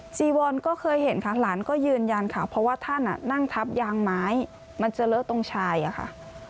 จีวอนก็เคยเห็นค่ะหลานก็ยืนยันค่ะเพราะว่าท่านนั่งทับยางไม้มันจะเลอะตรงชายอะค่ะ